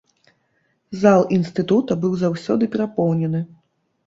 Зал інстытута быў заўсёды перапоўнены.